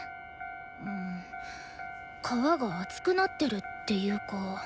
皮が厚くなってるっていうか。